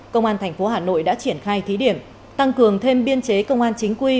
công an thành phố hà nội đã triển khai thí điểm tăng cường thêm biên chế công an chính quy